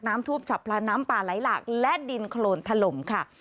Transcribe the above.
ทูบฉับพลันน้ำป่าไหลหลากและดินโครนถล่มค่ะ